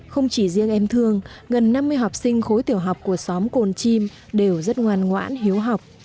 không chỉ riêng em thương gần năm mươi học sinh khối tiểu học của xóm cồn chim đều rất ngoan ngoãn hiếu học